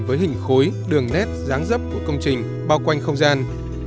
với hình khối đường nét giáng dấp của công trình bao quanh không gian